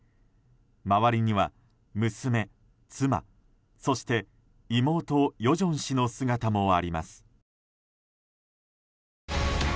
周りには娘、妻、そして妹・与正氏の姿もあります。